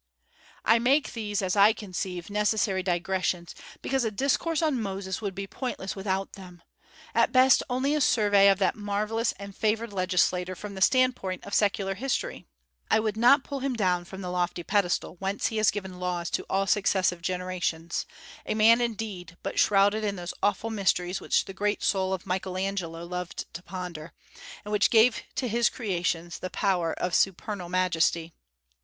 I make these, as I conceive, necessary digressions, because a discourse on Moses would be pointless without them; at best only a survey of that marvellous and favored legislator from the standpoint of secular history. I would not pull him down from the lofty pedestal whence he has given laws to all successive generations; a man, indeed, but shrouded in those awful mysteries which the great soul of Michael Angelo loved to ponder, and which gave to his creations the power of supernal majesty.